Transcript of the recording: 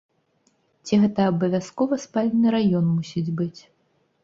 Ці гэта абавязкова спальны раён мусіць быць?